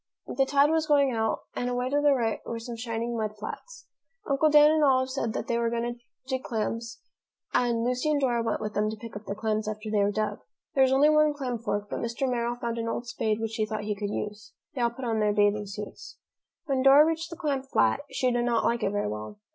The tide was going out, and away to the right were some shining mud flats. Uncle Dan and Olive said they were going to dig clams and Lucy and Dora went with them to pick up the clams after they were dug. There was only one clam fork, but Mr. Merrill found an old spade which he thought he could use. They all put on their bathing suits. When Dora reached the clam flat, she did not like it very well.